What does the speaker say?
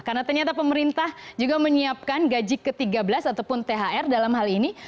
karena ternyata pemerintah juga menyiapkan gaji ke tiga belas ataupun thr dalam hal ini